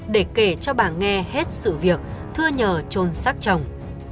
để kể cho bà nghe hết sự việc thưa nhờ trôn xác chồng